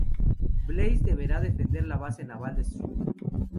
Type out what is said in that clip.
Blaze deberá defender la base naval de St.